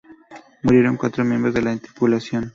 Murieron cuatro miembros de la tripulación.